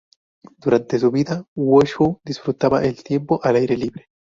Durante su vida, Washoe disfrutaba el tiempo al aire libre.